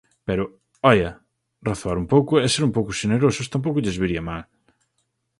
Pero, oia: razoar un pouco e ser un pouco xenerosos tampouco lles viría mal.